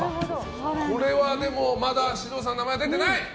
これはまだ獅童さんの名前は出てない。